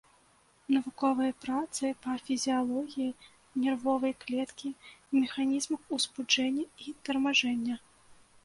Навуковыя працы па фізіялогіі нервовай клеткі, механізмах узбуджэння і тармажэння.